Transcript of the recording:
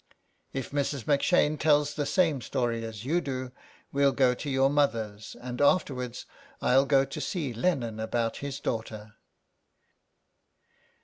" If Mrs. M'Shane tells the same story as you do we'll go to your mother's, and afterwards I'll go to see Lennon about his daughter."